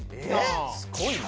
すごいな。